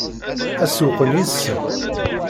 Ad sewweqen yid-sen?